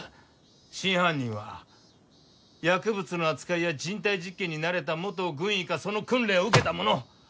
真犯人は薬物の扱いや人体実験に慣れた元軍医かその訓練を受けた者！